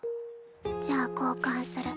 じゃあ交換する。